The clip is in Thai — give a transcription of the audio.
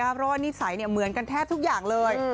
เพราะว่านิสัยเหมือนกันแทบทุกอย่างเลย